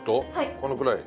このくらい？